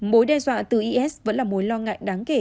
mối đe dọa từ is vẫn là mối lo ngại đáng kể